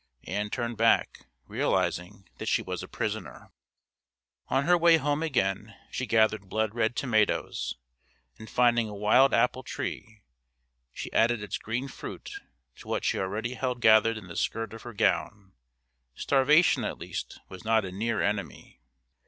Ann turned back, realising that she was a prisoner. On her way home again she gathered blood red tomatoes; and finding a wild apple tree, she added its green fruit to what she already held gathered in the skirt of her gown; starvation at least was not a near enemy.